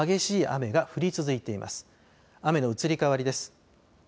雨の移り変わりです。